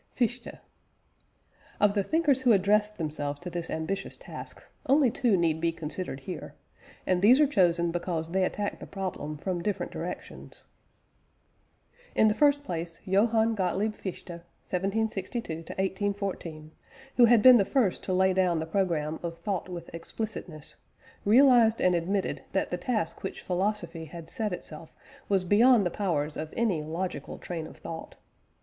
FICHTE. Of the thinkers who addressed themselves to this ambitious task, only two need be considered here; and these are chosen because they attacked the problem from different directions. In the first place, Johann Gottlieb Fichte (1762 1814), who had been the first to lay down the programme of thought with explicitness, realised and admitted that the task which philosophy had set itself was beyond the powers of any logical train of thought.